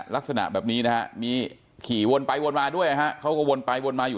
ลักษณะแบบนี้นะฮะมีขี่วนไปวนมาด้วยเขาก็วนไปวนมาอยู่